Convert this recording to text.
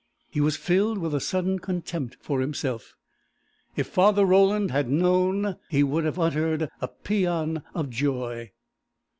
He was filled with a sudden contempt for himself. If Father Roland had known, he would have uttered a paean of joy.